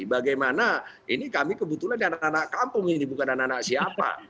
bagaimana ini kami kebetulan anak anak kampung ini bukan anak anak siapa